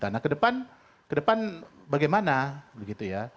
nah kedepan bagaimana